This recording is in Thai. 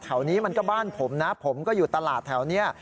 นี้มันก็บ้านผมนะผมก็อยู่ตลาดแถวนี้